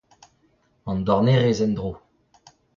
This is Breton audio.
An dornerez en-dro !